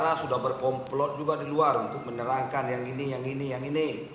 karena sudah berkomplot juga di luar untuk menerangkan yang ini yang ini yang ini